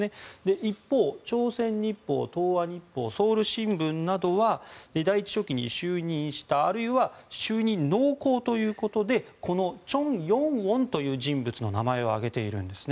一方、朝鮮日報、東亜日報ソウル新聞などは第１書記に就任した、あるいは就任濃厚ということでチョ・ヨンウォンという人物の名前を挙げているんです。